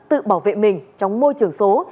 tự bảo vệ mình trong môi trường số